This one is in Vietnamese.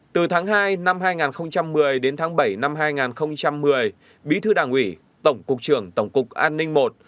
từ tháng hai năm hai nghìn một mươi đến tháng bảy năm hai nghìn một mươi bí thư đảng ủy tổng cục trưởng tổng cục an ninh i